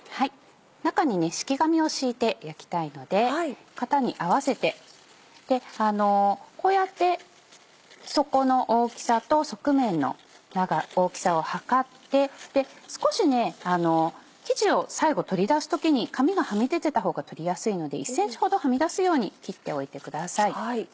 中に敷き紙を敷いて焼きたいので型に合わせてこうやって底の大きさと側面の大きさを測って少し生地を最後取り出す時に紙がはみ出てた方が取りやすいので１ｃｍほどはみ出すように切っておいてください。